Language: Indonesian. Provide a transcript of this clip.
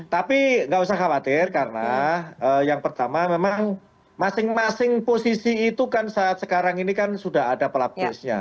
tapi nggak usah khawatir karena yang pertama memang masing masing posisi itu kan saat sekarang ini kan sudah ada pelapisnya